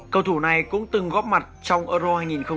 cầu thủ này cũng từng góp mặt trong euro hai nghìn một mươi sáu